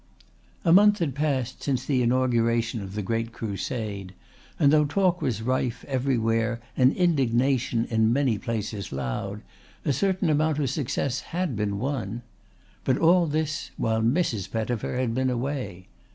A month had passed since the inauguration of the great Crusade, and though talk was rife everywhere and indignation in many places loud, a certain amount of success had been won. But all this while Mrs. Pettifer had been away.